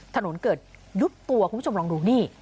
ถนนเกิดยุบตัวคุณผู้ชมลองดูนี่